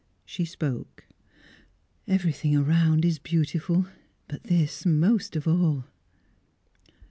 She spoke. "Everything around is beautiful, but this most of all."